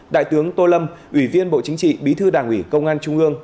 đại tướng tô lâm ủy viên bộ chính trị bí thư đảng ủy công an trung ương